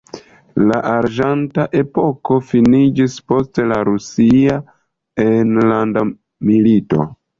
La arĝenta epoko finiĝis post la rusia enlanda milito.